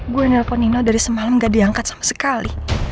gue nelpon nino dari semalam gak diangkat sama sekali